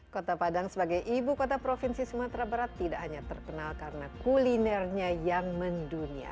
kota padang sebagai ibu kota provinsi sumatera barat tidak hanya terkenal karena kulinernya yang mendunia